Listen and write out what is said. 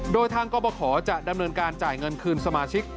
โดยทางกรบขอจะดำเนินการจ่ายเงินคืนสมาชิก